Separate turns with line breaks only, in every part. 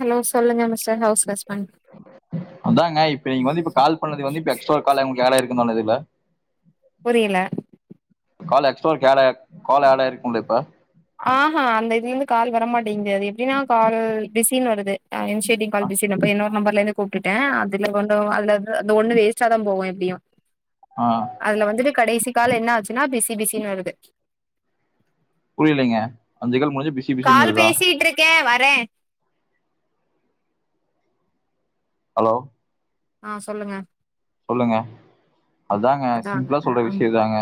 Hello சொல்லுங்க mister house husband
அதாங்க இப்ப நீங்க வந்து இப்ப கால் பண்ணது வந்து இப்ப எக்ஸ்ரா கால் நம்மளுக்கு ஏட் ஆகியிருக்கு அல்லதுங்க
புரியல
கால் எக்ஸ்ட்ரா ஒரு கே கால் ஏட் ஆகி இருக்கு இல்லப்ப
ஆ ஆ அந்த இதுல இருந்து கால் வரமாட்டேங்கு அது எப்படின்னா கால் பிசின்னு வருது [unintelligible] கால் பிசினப்போ இன்னோரு நம்பர்ல இருந்து கூப்பிட்டுட்டே அதுல வந்து அதுல அந்த ஒண்ணு வேஸ்டா தா போகு எப்படியு
ஆ
அதுல வந்துட்டு கடைசி கால் என்ன ஆச்சுன்னா பிசி பிசின்னு வருது
புரியலைங்க அஞ்ச கால் முடிஞ்சு பிஸி பிஸின்னு
கால்
வருதா
பேசிட்டு இருக்கே வரே
ஹலோ
ஆ சொல்லுங்க
சொல்லுங்க அதாங்க
அதா
சிம்பிளா சொல்ற
ம்
விஷியோ இதாங்க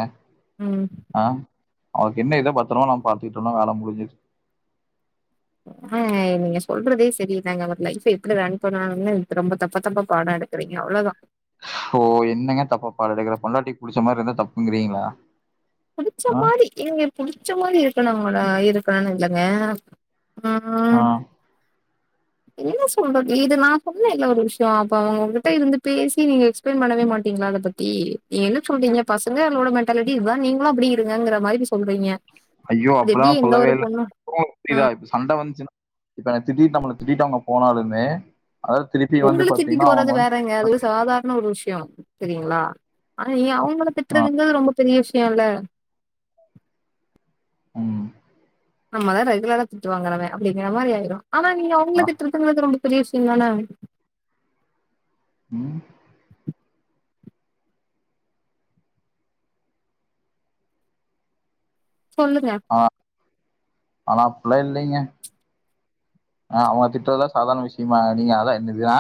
ம்
ஆ அவக் கிட்ட இருத்து பத்தரம்மா நம்ம பாத்துக்கிட்டோன்னா வேல முடிஞ்சது
ஆ நீங்க சொல்றதே செரி இல்லங்க நம்ம லைஃப்ப எப்படி ரன் பண்ணணும்னு ரொம்ப தப்பு தப்பா பாடோ எடுக்கிரிங்க ரிக்கீங்க அவ்ளோதா
ஓ என்னங்க தப்பாப்பாடோ எடுக்குற பொண்டாட்டிக்கு புடிச்ச மாதிரி இருந்தா தப்புங்கிறீங்களா
புடிச்ச
ஆ
மாரி எங்க புடிச்ச மாரி இருக்கனு இருக்கனுன்னு இல்லங்க ஆ என்ன சொல்றது இது நா சொன்னேல ஒரு விஷயோ அப்ப அவங்ககிட்ட இருந்து பேசி நீங்க எக்ஸ்பிளைன் பண்ணவே மாட்டீங்களா அத பத்தி ஏ என்ன சொல்றீங்க பசங்க அவங்க மென்ண்டாலிட்டி இதுதா நீங்களு அப்டி இருங்க மாரி இப்ப சொல்றீங்க
ஐயோ
அது
அப்பல்லா
எப்படி
நா
எந்த
சொல்லவே
ஒரு
இல்ல
பொண்ணும்
ப்ரோ புரியுதா இப்ப சண்ட வஞ்சுன்னா இப்ப என்ன திட்டிட்டு நம்மள திட்டிட்டு அவங்க போனாலுமே அதாவது திருப்பி வந்து
உங்கள திட்டி
பாத்தீங்கன்னா அவங்க
போறது
வந்து
வேறங்க அது ஒரு சாதாரண ஒரு விஷயோ சியோ சரிங்களா ஆனா நீ அவங்கள
ஆ
திற்றதுங்கது ரொம்ப பெரிய விஷயோ இல்ல
உம்
நம்மதா ரெகுலரா திட்டு வாங்குறமே அப்படிங்கிற மாரி ஆயிரு ஆனா நீங்க
ஆ
அவங்கள திட்டு திட்டுனது ரொம்ப பெரிய விஷயம் தான
ம்
சொல்லுங்க
ஆ ஆனா அப்புல்லா இங்லிங்க ஆ அவுங்கள திட்றதுல்லா சாதாரண விஷயமா நீங்க அதா என்னது ஆ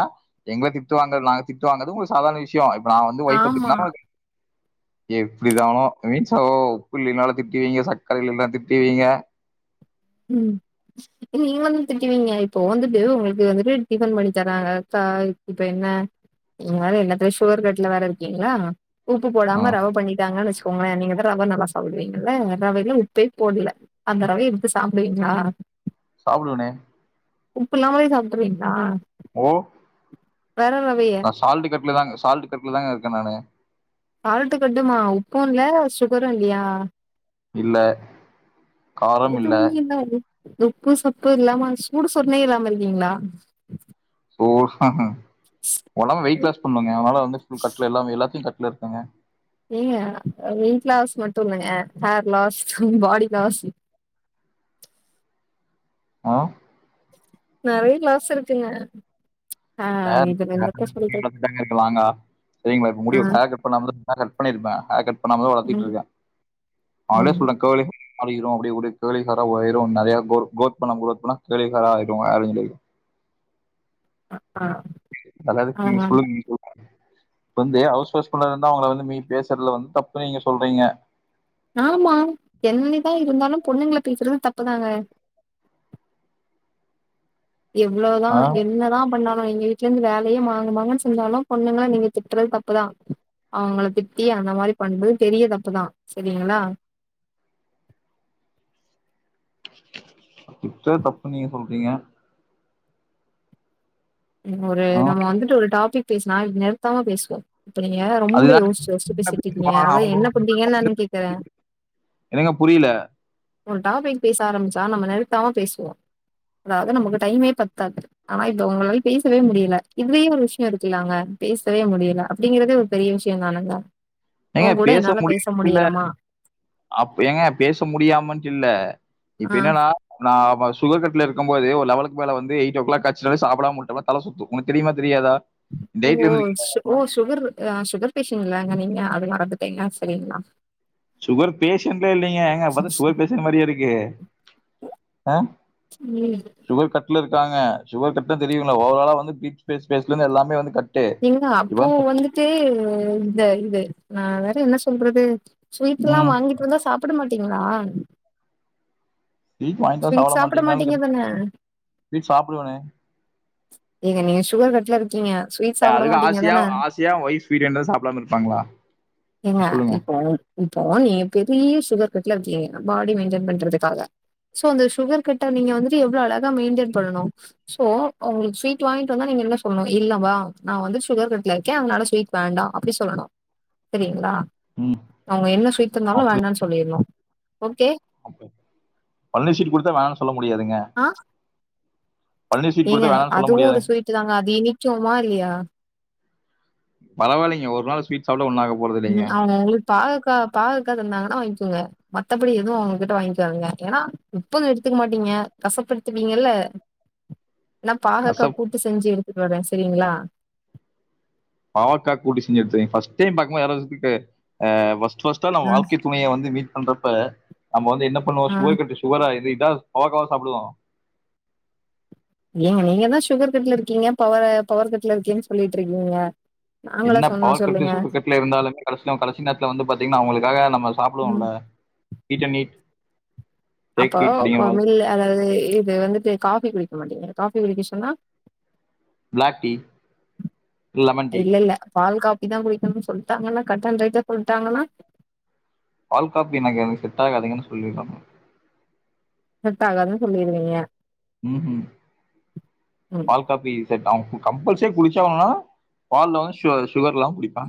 எங்கள திட்டுவாங்க நாங்க திட்டுவாங்கறது உங்ளுக் சாதண விஷயோ இப்ப நா வந்து வைஃப்
ஆமா.
திட்னா அது
[inaudible]
எப்டிதானோ ஐமீன்ஸ் சோ உப்பு இல்லினாலு திட்டிவிங்க சக்கர இல்லனா திட்டிவிங்க
ம் நீங்க வந்து திட்டுவீங்க இப்போ வந்துட்டு உங்களுக்கு வந்துட்டு டிஃபன் பண்ணி தராங்க அக்கா இப்ப என்ன நீங்க வேற எல்லாத்துல சுகர் கட்ல வேற இருக்கீங்ளா உப்பு போடாம
ம்
ரவ பண்ணிட்டாங்கன்னு வெச்சி போங்களே நீங்க தா ரவ நல்லா சாப்பிடுவீங்கல்ல ரவையில உப்பே போடல அந்த ரவை சாப்டுவிங்ளா
சாப்டுவேனே
உப்பு இல்லாமளே சாப்டுருவீங்களா
ஓ நா சால்ட கட்ல தாங்க சால்ட் கட்ல தாங்க இருக்க நானு
சால்ட்டு கட்டுமா உப்பு இல்ல சுகரு இல்லையா
இல்ல காரம் இல்ல
எதுவுமே இன்னா அது உப்பு சப்பு இல்லாம சூடு சொர்னையே இல்லாம இருக்கீங்ளா
சோ ஒடம்பு வெயிட் லாஸ் பண்ணோங்க அதனால வந்து ஃபுல் கட்ல எல்லாமே எல்லாத்தையு கட்ல இருக்கேங்க
ஏங்க வெயிட் லாஸ் மட்டு இல்லங்க ஹேர் லாஸ் பாடி லாஸ்
ஆ
நறைய லாஸ் இருக்குங்க ஆ
ஹேர்
இதுல என்னத்த சொல்றது
[inaudible] இருக்கலாங்க சரிங்களா இப்ப முடி
ஆ
ஹேர் கட் பண்ணாம கட் பண்ணிருப்பே ஹேர் கட் பண்ணாம தா வளர்த்திட்டு
ம்
இருக்கே ஹலோ
ம்
சொல்றே கார்லி மூடி மாறிரு அப்டி அப்டியே கர்லீ ஹேரா மாரிரு நெறைய குரோ குரோத் பண்ண குரோத் பண்ண கர்லீ ஹேர் ஆகிரு ஹேர்குளே
அக் ஆ
அதாது பீஸ்
ஆ
ஃபுல் ஈகோ வந்து ஹவுஸ் ஹஸ்பண்ட்டா இருந்தா அவுங்கள வந்து மீறி பேசுறதுல வந்து தப்பு நீங்க சொல்றீங்க
ஆமா என்னதா இருந்தாலும் பொண்ணுங்கள பேசுறது தப்புதாங்க எவ்லோதா
ஆ?
என்னதா பண்ணாலு எங்க வீ ட்ல இருந்து வேலயே மாங்கு மாங்குன்னு செந்தாலு பொண்ணுங்கள நீங்க திட்டுறது தப்புதா அவுங்கள திட்டி அந்த மாரி பண்றது பெரிய தப்புதா செரிங்ளா
திட்றது தப்பு நீங்க சொல்றீங்க
நப்ம ஒரு
ஆ?
நம்ம வந்துட்டு ஒரு டாபிக் பேசுனா நிறுத்தமா பேசுவோ இப்ப நீங்க ரொம்ப
அதுதான்
யோசிச்சி யோசிச்சி
என்ன
பேசிட்டியிருகிங்க
பேசுவான் ஆனா
அதா
அவங்க
என்ன பண்ணீங்கன்னு நானு கேக்குற
என்னங்க புரில
ஒரு டாபிக் பேச ஆரம்பிச்சா நம்ம நிருத்தாம பேசுவோ அதாது நமக்கு டைமே பத்தாது ஆனா இப்ப உங்களால பேசவே முடியல இதுவே ஒரு விஷயோ இருக்குலங்க பேசவே முடியல அப்டிங்கறதே ஒரு பெரிய விஷயோ தானுங்க
ஏங்க
உன் கூட என்னால பேச
முடியல இல்ல
முடியலமா
அப்ப ஏங்க பேச முடியாமான்ட்டு இல்ல இப்ப
ஆ
என்னன்னா நா வா சுகர் கட்ல இருக்கும்போது ஒரு லெவலுக்குமேல வந்து எயிட்டோ கிளாக் ஆச்சுனலே சாப்டாம உட்டோம்னா தல சுத்து உனக்கு தெரியுமா தெரியாதா டேட்ல
ஆமா ம்
இருந்து
ஓ சுகரு அ சுகர் பேஷன்ட் இல்லங்க நீங்க அது மறந்துட்டீங்க சரிங்ளா
சுகர் பேஷண்ட்ல இல்லைங்க எங்க பாத்தா சுகர் பேஷன்ட் மாரியா இருக்கு அ
ம்
சுகர் கட் ட்ல இருக்கங்க சுகர் [unintelligible] தெரியுல ஓறலலா வந்து பிக் பேஸ் பேஸ்ந்து எல்லாமே வந்து க
நீங்க அப்போ வந்துட்டு இந்த இது நான் வேற என்ன சொல்றது ஸ்வீட் எல்லாம்
ம்
வாங்கிட்டு வந்தா சாப்பட மாட்டீங்களா
டீவ் வாங்கிட்டுவா சாப்ட
ஸ்வீட் சாப்பிட
மாட்டீங்களனு
மாட்டீங்க தான
ஸ்வீட் சாப்டுவேனே
ஏங்க நீங்க சுகர் கட்ல இருக்கீங்க ஸ்வீட்
ஏங்க
சாப்பிட
அதுக்கு
மாட்டீங்க
ஆசியா
தான
ஆசியா ஒயிப் ஸ்வீட் தந்தா சாப்டாமா இருப்பாங்களா சொல்லுங்க
ம் இப்போ நீ பெரிய சுகர் கட்ல இருக்கிங்க பாடி மெயின்டென் பண்றதுக்காக சோ அந்த சுகர் கட்ட நீங்க வந்துட்டு எவ்ளோ அழகா மெயின்டென் பண்ணனும் சோ ஒங்களுக்கு ஸ்வீட் வாங்கிட்டு வந்தா நீங்க என்ன சொல்லணும் இல்லவா நா வந்து சுகர் கட்ல இருக்கேன் அதனால ஸ்வீட் வேண்டாம் அப்டி சொல்லணும் செரிங்களா
ம்
அவங்க என்ன ஸ்வீட் தந்தாலும் வேண்டாம் சொல்லிருரனும் ஓகே
அப்ப தங்கச்சி சீட் குடுத்தா வேணா சொல்ல முடியாதுங்க
ஆ
பழனி ஸ்வீட்
ஏங்க
குடுத்தா வேணான்னு சொல்ல
அதுவு
முடியாது
ஒரு ஸ்வீட்டு தாங்க அது இனிக்குமா இல்லையா
பரவில்லைங்க ஒரு நாள் ஸ்வீட் சாப்டா ஒன்னாக
உம் அவங்க ஒங்களுக்கு பாகக்கா பாகக்கா தந்தாங்கன்னா வாங்கிக்கோங்க மத்தபடி எதுவு அவங்ககிட்ட வாங்கிகாதிங்க ஏனா உப்பு எடுத்துக்க மாட்டீங்க கஷப்பு எடுத்துபீங்கல்ல நா பாகக்கா
கசப்
கூட்டு செஞ்சு எடுத்துட்டு வாறேன் செரிங்களா
பாவக்கா கூட்டு செஞ்சு எடுத்துருகேன் ஃபர்ஸ்டே பாக்கும்போது யாராது ட்டு அ செஞ்சிட்டு ஃபர்ஸ்ட் ஃபர்ஸ்ட் த்தான
ஆ,
வாழ்கை துணைய வந்து மீட் பண்றப்ப நம்ம வந்து என்ன பண்ணுவோ
ஆ.
சுகர் கட்டு சு சுகரா இது இதா பாவக்காவ சாப்டுவோ
ஏங்க நீங்க தான் சுகர் கட்ல இருக்கீங்க பவ பவர் கட்ல இருக்கீங்கன்னு சொல்லிட்டு இருக்கீங்க
என்ன பவர் கட்டு சுகர் கட்ல இருந்தாலுமே கடசா கடைசி நேத்துல வந்து பாத்தீங்கன்னா அவங்களுக்காக நம்ம
ம்.
சாப்டுவோம்ல ஈட்ட அ நீட்
அப்போ மில்லு அதாது இது வந்துட்டு காஃபி குடிக்க மாட்டிங்க காஃபி குடிக்க சொன்னா
பிளாக் டீ லெமன் டீ
இல்ல இல்ல பால் காப்பி தான் குடிக்கணும்னு சொல்ட்டாங்கன்னா கட்டண் ரைட்டா சொல்ட்டாங்கன்னா
பால் காப்பி எனக்கு அது செட் ஆகாதுங்கனு சொல்லி பாக்கு
செட் ஆகாது சொல்லிருவீங்க
ம் ம்
ம்.
பால் காபி ச கம்ப கம்பல்சரி குடிச்சம்ன்னா பால்ல வந்து சு சுகர் இல்லாம குடிப்ப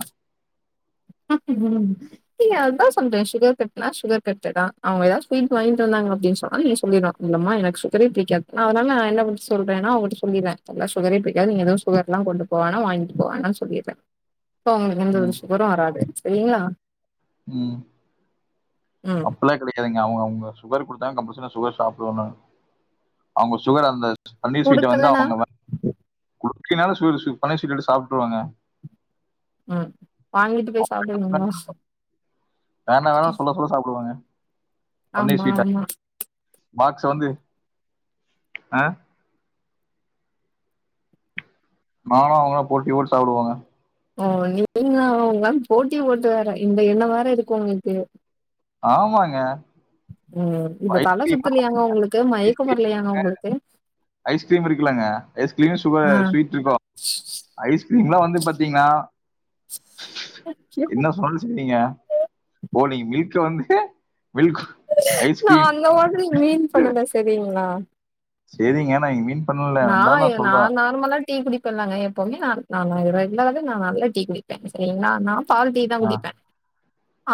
ம் ரங்க அதா சொல்ற சுகர் கட்னா சுகர் கட்டுதா அவங்க எதாதுச் ஸ்வீட் வாங்கிட்டுவதாங்க அப்டின் சொன்னா நீங்க சொல்லிரனும் இல்லமா எனக்கு சுகரே பிக்காது நா அதனால என்ன ஒங்கிட்ட சொல்றே அவங்கட்ட சொல்லிற அதனால சுகரே புடிக்காது நீங்க எது சுகர்ல்லாம் கொண்டு போனா வாங்ட்டு போ வேண்டாம் சொல்லிற இப்போ எந்த
ம்
சுகரும் வராது சரிங்களா
ம்
ம்
அப்பல்லா கெடை எதங்க அவங்க அவங்க சுகர் குடுத்தா கம்பல்சரி சுகர் சாப்டுவனானு அவங்க சுகர் அந்த பனீர் ஸ்வீட் வந்து
குடுக்கலனா
அவங்க குடுக்கலைனாலும் பனீர் ஸ்வீட் எடுத்து சாப்ட்ருவேங்க
ம் வாங்கிட்டு போய் சாப்டுவீங்களா
வேண்டா வேணா ச சொல்ல சொல்ல சாப்டுவேங்க
ஆமா ஆமா
பாக்ஸ் அ வந்து அ நானும் அவங்களா போட்டி போட்டு சாப்டுவோங்க
ஓ நீங்களா அவங்களா போட்டி போட்டு வேற இந்த எண்ணம் வேற இருக்கு ஒங்களுக்கு
ஆமாங்க
ம் இப்ப தல
ஐஸ்கிரீம்
சுத்தலையாங்க உங்களுக்கு மயக்கமரலையாங்க உங்களுக்கு
ஐஸ்கிரீம் இருக்குலங்க ஐஸ்கிரீம் சுகர்
ஆ
ஸ்வீட்ருக்கு ஐஸ்கிரீம்ல்லா வந்து பாத்தீங்ன்னா என்ன சொல்ல சொல்றீங்க ஓ நீங்க வீட்ல வந்து மில்க்
நா
ஐஸ்கிரீம்
அந்த மாரி மீன் பண்ணல செரிங்ளா
செரிங்க நா இனி மேல்
நா ஏ நா நார்மல டீ குடிப்பேலங்க எப்பவுமே நா நா நா ரெகுலராவே நா நல்லா டீ குடிப்பே செரிங்ளா நா பால் டீ தா
ஆ,
குடிப்பே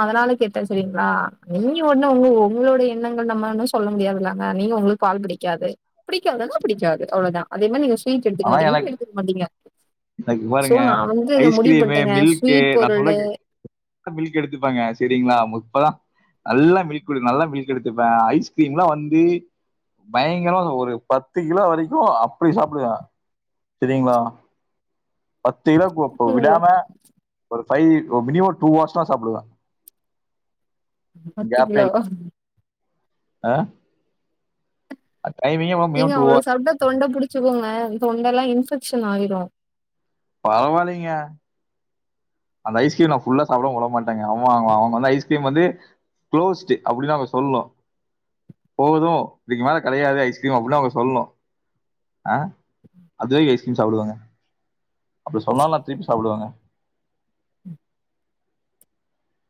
அதுனால கேட்டே செரிங்ளா நீ ஒண்ணு உங்க உங்களோட எண்ணங்கள் நம்ம ஒன்னு சொல்ல முடியாதுல்லங்க நீங்க உங்களுக்கு பால் பிடிக்காது பிடிக்காதுனா பிடிக்காது அவ்ளோதா அது என்ன நீங்க ஸ்வீ்ட் எடுத்துக்க மாட்டீங்கன்னா எடுத்துக்க மாட்டீங்க
இந்தா இங்க
சோ
பாருங்க
நான் வந்து இத முடிவு
ஐஸ்கிரீமு
பண்ட்டேங்க.
மில்க்கு
ஸ்வீட்
நா சொல்றே
பொருளு
கேளுங் கக் மில்க் எடுத்துப்பேங்க சரிங்ளா இப்ப தா நல்லா மில்க்டு நல்லா மில்க் எடுத்துப்பே ஐஸ்கிரீம்லா வந்து பயங்கரமா ஒரு பத்து கிலோ வரைக்கு அப்புடி சாப்புடுவே சரிங்ளா பத்து கிலோக்கு இப்ப
கிலோவா?
விடாம ஒரு ஃபைவ்ஜு இப்ப மினிமம் டூ ஹவர்ஸ்லா சாப்புடுவே
பத்து கிலோ
அ அ டைமிங்கு ஒ
ஏங்க அவ்ளோ சாப்ட்ட தொண்ட புடிச்சுக்கோங்க தொண்டல்லா இன்ஃபெக்ஷன் ஆயிரு
பரவாயில்லேங்க அந்த ஐஸ்கிரீம் நா ஃபுல்லா சாப்புடமா வுடமாட்டங்க அவே அவுங்க அவுங்க வந்து ஐஸ்கிரீம் வந்து க்ளோஸ்ட்டு அப்டி தா அங்க சொல்லு போது இதுக்கு மேலே கெடையாது ஐஸ்கிரீம் அப்புல்லா அவுங்க சொல்ணு அ அஞ்சு ரூவாய்கு ஐஸ்கிரீம் சாப்புடுவாங்க அப்டி சொன்னாலு நா திருப்பி சாப்புடுவங்க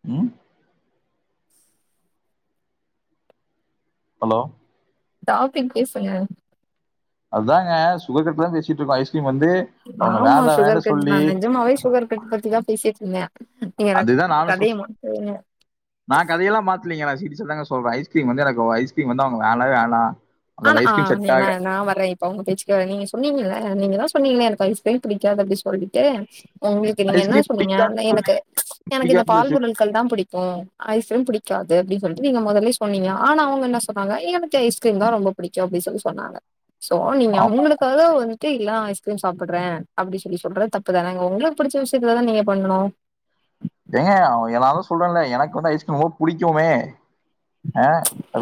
ம் ஹலோ
டாபிக் பேசுங்க
அதாங்க சுகர் பத்தி தா பேசிட்ருக்கோ ஐஸ்கிரீம் வந்து அவங்க
ஆமா
வேண்டாம்
சுகர்
வேண்டாம்
கட் தா
சொல்லி
நெஜமாவே சுகர் கட் பத்திதா பேசிட்ருந்தே
அதேதா நானு சொ நா கதையல்லா மாத்துலிங்க நா சீரீசா தாங்க சொல்றே ஐஸ்கிரீம் வந்து எனக்கு ஒ ஐஸ்கிரீம் வந்து அவுங்க வேணவே வேணா
ஆனா ஆ நீ நா நா வர்றே இரு அவுங்க பேச்சுகாக நீங்க சொன்னீங்கல்ல நீங்க தா சொன்னீங்களே எனக்கு ஐஸ்கிரீம் புடிக்காது அப்டி சொல்லிட்டு உங்களுக்கு நீங்க என்ன
ஐஸ்கிரீம்
சொன்னீங்க
பிடிக்காதுன்னு சொல்லி
எனக்கு எனக்கு இந்த
பிடிக்காதுன்னு சொல்லி
பால்
சு-
பொருட்கள் தா புடிக் கும் ஐஸ்கிரீம் புடிக்காது அப்டின் சொல்ட்டு நீங்க மொதல்லே சொன்னீங்க ஆனா அவுங்க என்ன சொன்னாங்க எனக்கு ஐஸ்கிரீம் தா ரொம்ப புடிக்கு அப்டின் சொல்லி சொன்னாங்க சோ நீங்க
ஆமா.
அவுங்களுக் கத வந்துட்டு இல்லா ஐஸ்கிரீம் சாப்புட்றே அப்டி சொல்லி சொல்றது தப்புதானங்க உங்களுக்கு புடிச்ச விஷயத்துல தா நீங்க பண்ணனு
ஏங்க அவுங்க எதாவது சொல்றேன்ல எனக்கு வந்து ஐஸ்கிரீம் ரொம்ப புடிக்குமே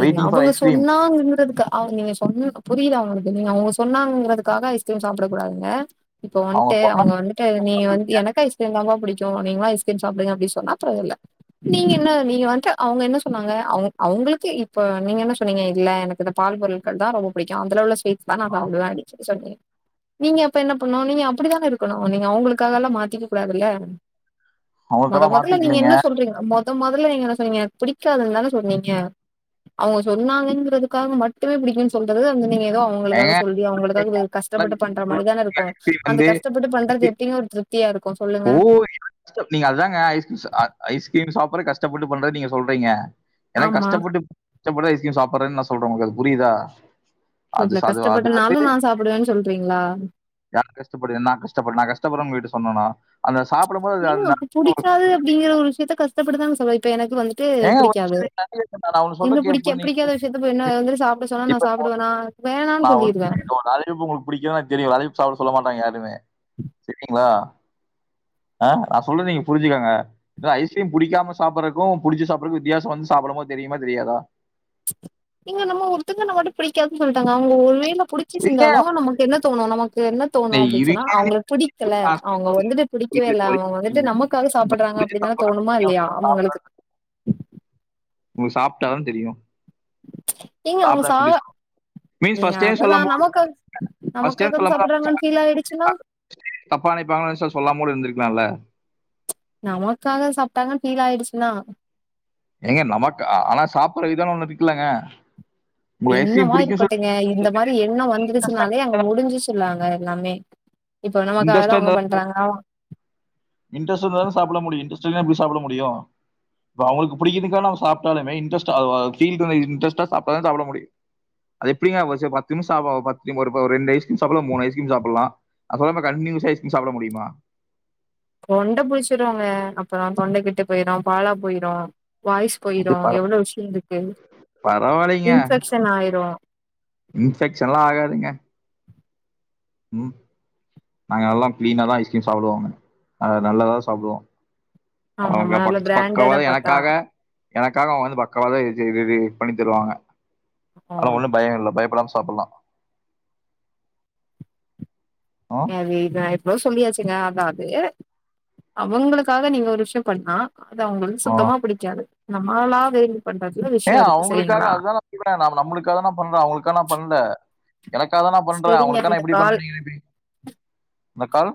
ஏங்க அவுங்க
ஐஸ்கிரீம்
சொன்னாங்குறதுக்கா அவுங்க நீங்க சொன்னதுக்கு புரியுதா அவுங்களுக்கு நீங்க அவுங்க சொன்னாங்கிறதுக்காக ஐஸ்கிரீம் சாப்புட கூடாதுங்க இப்போ
அவங்க
வன்ட்டு
சொன்னா
அவுங்க வந்துட்டு நீங்க வந்து எனக் ஐஸ்கி கிரீம் தாங்க புடிக்கு நீங்களா ஐஸ்கிரீம் சாப்டுங்க அப்டின்னு சொன்னா பரவால்ல நீங்க என்ன நீங்க வன்ட்டு அவுங்க என்ன சொன்னாங்க அவுங் அவுங்களுக்கு இப்ப நீங்க என்ன சொன்னீங்க இல்ல எனக்கு இந்த பால் பொருள்கள் தா ரொம்ப புடிக்கு அதுல உள்ள ஸ்வீட் தா நா சாப்டுவே நீங்க சொன் சொன்னிங்க நீங்க அப்ப என்ன பண்ணு நீங்க அப்படிதானே இருக்கணு நீங்க அவங்களுக்காகல்ல மாத்திக்க கூடாதுல்ல மொத
அவங்களுக்கெல்லாம்
மொதல்ல நீங்க
மாத்திக்கலைங்க
என்ன சொல்றீங்க மொத மொதல்ல நீங்க என்ன சொன்னீங்க புடிக்காதுன்தான சொன்னீங் க அவங்க சொன்னாங்கங்கிறதுக்காக மட்டுமே புடிக்குன் சொல்றது வந்து நீங்க எதோ அவங் ங்களுக்காக
ஏங்க
சொல்லி அவங்களுக்காக வெ கஷ்டப்பட்டு பண்ற மாரி
ஐஸ்கிரீம்
தானே இருக்கு அந்த
வந்து
கஷ்டப்பட்டு பண்றது எப்டிங்க ஒரு திருப் த்தியா இருக்கு சொல்லுங்க
ஓ! நீங்க அதாங்க ஐஸ் அ ஐஸ்கிரீம் சாப்பறது கஷ்டப்பட்டு பண்றன் நீங்க சொல்றீங்க ஏனா
ஆமா.
கஷ்டப்பட்டு [inaudible] ஐஸ்க்ரீம் சாப்புட்றேன்னு நா சொல்றே உங்களுக்கு அது புரிதா
ஓகேண்ண கஷ்டப்பட்டனாலு நா சாப்டுவேன் சொல்றீங்ளா
யார் கஷ்டப்படுறது நா கஷ்டப்படு நா கஷ்டப்படுறன் உங்ககிட்ட சொன்னனா அந்த சாப்புடும் போது அது
ஏங்க
அந்த
அப்ப புடிக்காது அப்டிங்கற ஒரு விஷயத்த கஷ்டப்பட்டு தாங்க சொல்வ இப்ப எனக்கு வந் ட்டு
ஏங்க ஒரு
புடிக்காது
நிமிஷம் நிறைய இருக்கு. நான் ஒண்ணு
என்ன
சொல்றேன் கே
புடிக்க
புரி நீங்க
புடிக்காத விஷயத்த போ என்ன வந்துட்டு சாப்ட சொன்னா நா
இப்ப
சாப்புடுவேனா வேணானு சொல்லிருவே
டியப்போ உங்களுக்கு பிடிக்குன் எனக் தெரியு அதையு சாப்ட சொல்ல மாட்டாங்க யாருமே சரிங்களா அ நா சொல்றத நீங்க புரிஞ்சுக்கங்க ஏனா ஐஸ்கிரீம் புடிக்காம சாப்படறக்கு புடிச்சு சாப்பறக்கு வித்தியாசம் வந்து சாப்புடும் போது தெரியுமா தெரியாதா
ஏங்க நம்ம ஒருத்தக்குனா மட்டு பிடிக்காதுன்னு சொல்லிட்டாங்க அவங்க ஒருவேல புடிச்சி செஞ்சாலு
ஏன்
நமக்கு என்ன தோணு நமக்கு என்ன தோணு
நீ
அப்டின் சொன்னா
இருங்க
அவங்கள புடிக்கல
நான்
அவங்க
சாப்பாடு
வந்துட்டு புடிக் கவே
புரியல
இல்ல
இப்போ
அவங்க
வரைக்கும்.
வந்துட்டு நமக்காக சாப்புடுறாங்க
புடிச்ச
அப்டின்தான
சாப்பாடு
தோணுமா
முக்கியம்.
இல்லையா
சாப்பாடு
அவங்களுக்கு
உங்களுக் சாப்ட்டாதா தெரியு
ஏங்க அவங்க சா
மீன்ஸ்
நீங்க
ஃபர்ஸ்ட் டைம்
அததா
சொல்லும்போது
நமக்காக
ஃபர்ஸ்ட் டைம்
நமக்காக
சொல்லும்போது அவங்க
சாப்புடறாங்கன்னு ஃபீல் ஆயிடுச்சுன்னா
சாப்பிட்டா தப்பா நெனைப்பாங்களன் சொ சொல்லாம கூட இருந்துருக்கலால்ல
நமக்காக சாப்ட்டாங்கன்னு ஃபீல் ஆயிடுச்சுன்னா
ஏங்க நமக் அ ஆனா சாப்புட்ற விதோனு ஒன்னு இருக்குல்லங்க உங்களுக்கு ஐஸ்கிரீம்
என்னவா
பிடிக்கும் சொல்லி
இருக்கட்டுங்க இந்த மாரி எண்ணோ
இன்ட்ரெஸ்டா
வந்துடுச்சுனாலே அங்க முடிஞ்சுச்சுலங்க எல்லாமே இப்போ நமக்காகதா அவங்க பண்றாங்களா
இன்ட்ரஸ்டா இருந்தா தானே சாப்ட முடியு இன்ட்ரஸ்ட்டு இல்லன்னா எப்டி சாப்ட முடியு இப்ப அவங்களுக் பிடிக்கறதுக்காக நாம சாப்டாலுமே இன்ட்ரஸ்ட் அ ஃபீல் இன்ட்ரஸ்டா சாப்டாதா சாப்ட முடியு அது எப்டிங்க ஒ செ பத்து நிமிஷ் சாப்வாகோ பத் ஒரு ப ஒ ரெண்டு ஐஸ்கிரீம் சாப்புலா மூனு ஐஸ்கிரீம் சாப்புலா அப்பறமா கண்டினியூஸா ஐஸ்கிரீம் சாப்ட முடிமா
தொண்ட புடிச்சிருங்க அப்பறோ தொண்ட கெட்டு போயிரு பாலா போயிரு வாய்ஸ்
இது
போயிரு
பர
எவ்ளோ விஷயங்ருக்கு
பரவாயில்லைங்க.
இன்ஃபெக்ஷன் ஆயிரு
இன்ஃபெக்ஷன்லா ஆகாதுங்க ம் நாங்கள்ல்லா கிளீனாதா ஐஸ்கிரீம் சாப்புடுவோங்க நாங்க நல்லதா சாப்புடுவ
ஆமாமா
அவங்க
நல்ல
பக்
பிராண்டடா
பக்கவாக
பாத்தா.
எனக்காக எனக்காக அவங்க வந்து பக்காவா எதே இது பண்ணி தருவாங்க
ஓ
அதலா ஒன்னு பயோ இல்ல பயப்படாம சாப்புல்லா ம்.
ஏ அது இதா எவ்ளோ சொல்லியாச்சுங்க அதா அது அவங்களுக்காக நீங்க ஒரு விஷயொ பண்ணா அது அவங்களுக்
ம்.
சுத்தமா பிடிக்காது நம்மாலா விரும்பி பண்றதுல விஷயோ இருக்கு சரிங்களா
இப்ப நா நாம நம்ளுக்காதா நா பண்ற அவங்களுக்கா நா பண்ல எனக்காகதா நா பண்றே
சரிங்க
அவங்களுக்கா நா
இந்த
எப்டி
கால்
பண்ற நீங்க நெனைப்பிங்க இந்த கால்